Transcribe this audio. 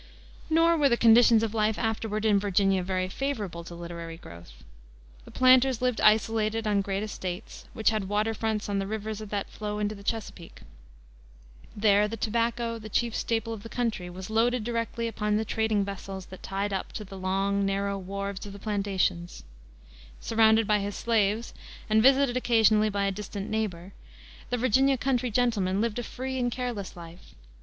Nor were the conditions of life afterward in Virginia very favorable to literary growth. The planters lived isolated on great estates, which had water fronts on the rivers that flow into the Chesapeake. There the tobacco, the chief staple of the country, was loaded directly upon the trading vessels that tied up to the long, narrow wharves of the plantations. Surrounded by his slaves, and visited occasionally by a distant neighbor, the Virginia country gentleman lived a free and careless life.